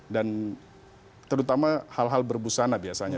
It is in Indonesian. terutama hal hal berbusana biasanya